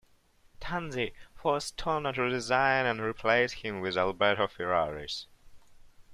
Tanzi forced Tonna to resign and replaced him with Alberto Ferraris.